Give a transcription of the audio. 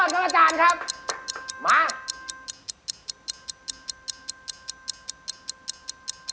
สุดยอดครับอาจารย์ครับ